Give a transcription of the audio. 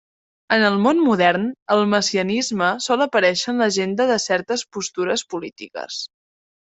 En el món modern, el messianisme sol aparèixer en l'agenda de certes postures polítiques.